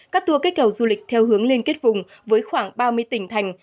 các tour kích cầu du lịch theo hướng liên kết vùng với khoảng ba mươi tỉnh thành